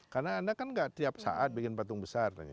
karena anda kan nggak tiap saat bikin batung besar